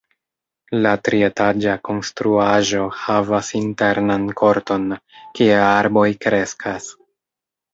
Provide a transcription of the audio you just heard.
La trietaĝa konstruaĵo havas internan korton, kie arboj kreskas.